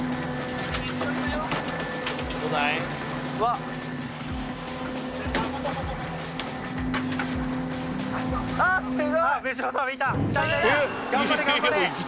頑張れ頑張れ！